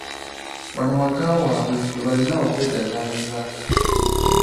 Wano waka waabwe we balina okwegazaanyiza.